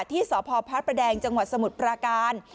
ที่สพพระประแดงจังหวัดสมุทรปราการ